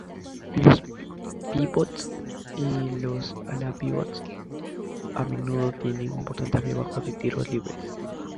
Los pívots y los ala-pívots a menudo tienen un porcentaje bajo de tiros libres.